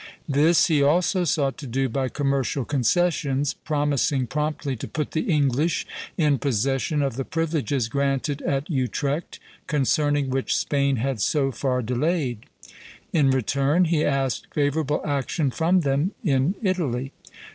This he also sought to do by commercial concessions; promising promptly to put the English in possession of the privileges granted at Utrecht, concerning which Spain had so far delayed. In return, he asked favorable action from them in Italy.